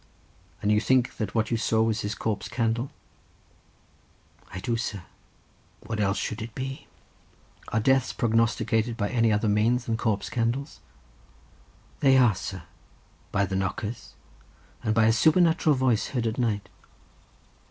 "And you think that what you saw was his corpse candle?" "I do, sir! what else should it be?" "Are deaths prognosticated by any other means than corpse candles?" "They are, sir; by the knockers, and by a supernatural voice heard at night."